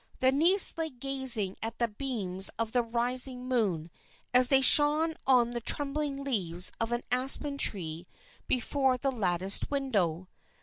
The niece lay gazing at the beams of the rising moon as they shone on the trembling leaves of an aspen tree before the latticed window.